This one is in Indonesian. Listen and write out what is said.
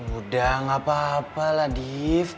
udah gak apa apa lah dief